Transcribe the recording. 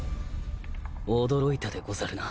驚いたでござるな。